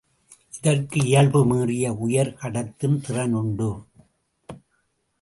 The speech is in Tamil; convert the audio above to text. இதற்கு இயல்பு மீறிய உயர் கடத்தும் திறன் உண்டு.